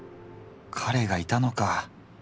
カレがいたのか。